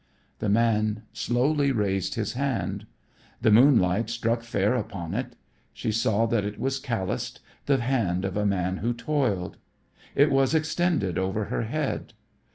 The man slowly raised his hand. The moonlight struck fair upon it. She saw that it was calloused, the hand of a man who toiled. It was extended over her head.